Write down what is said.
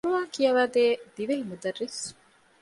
ޤުރުއާން ކިޔަވައިދޭ ދިވެހި މުދައްރިސު